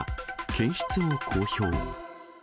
検出を公表。